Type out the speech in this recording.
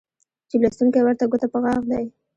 چې لوستونکى ورته ګوته په غاښ دى